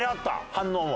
反応も。